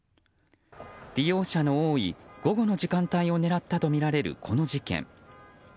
利用者の多い、午後の時間帯を狙ったとみられるこの事件。